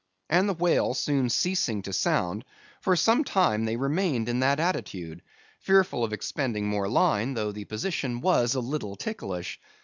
And the whale soon ceasing to sound, for some time they remained in that attitude, fearful of expending more line, though the position was a little ticklish.